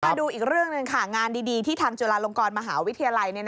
มาดูอีกเรื่องหนึ่งค่ะงานดีที่ทางจุฬาลงกรมหาวิทยาลัย